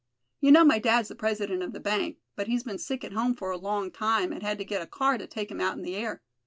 You know my dad's the president of the bank, but he's been sick at home for a long time, and had to get a car to take him out in the air.